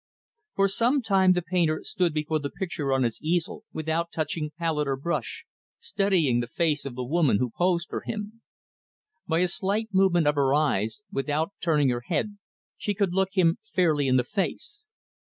For some time the painter stood before the picture on his easel, without touching palette or brush, studying the face of the woman who posed for him. By a slight movement of her eyes, without turning her head, she could look him fairly in the face.